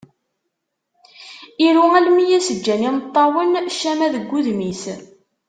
Iru armi i as-ǧǧan yimeṭṭawen ccama deg udem-is.